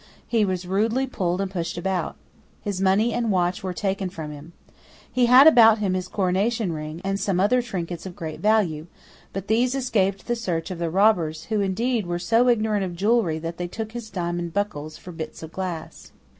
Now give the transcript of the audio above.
He was rudely pulled and pushed about. His money and watch were taken from him. He had about him his coronation ring, and some other trinkets of great value: but these escaped the search of the robbers, who indeed were so ignorant of jewellery that they took his diamond buckles for bits of glass.